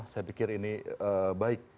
saya pikir ini baik